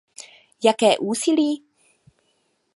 Jaké úsilí?